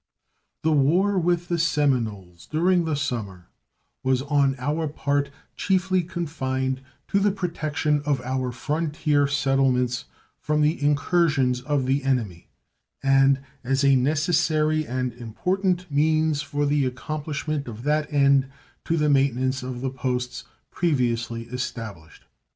The war with the Seminoles during the summer was on our part chiefly confined to the protection of our frontier settlements from the incursions of the enemy, and, as a necessary and important means for the accomplishment of that end, to the maintenance of the posts previously established.